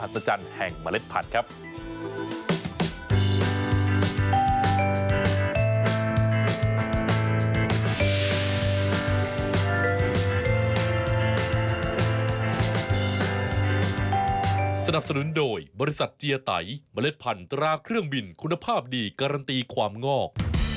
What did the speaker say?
ตลาดเครื่องบินคุณภาพดีการันตีความงอก